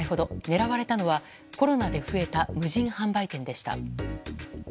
狙われたのは、コロナで増えた無人販売店でした。